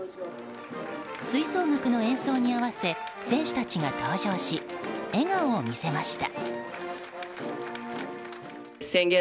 吹奏楽の演奏に合わせ選手たちが登場し笑顔を見せました。